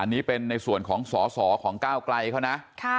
อันนี้เป็นในส่วนของสอสอของก้าวไกลเขานะ